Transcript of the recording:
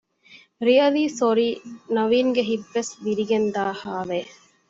ރިއަލީ ސޮރީ ނަވީންގެ ހިތްވެސް ވިރިގެންދާހާވެ